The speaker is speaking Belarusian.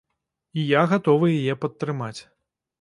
І я гатовы яе падтрымаць.